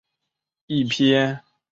一篇乱七八糟的外传